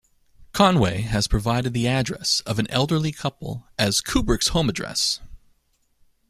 Conway has provided the address of an elderly couple as Kubrick's home address.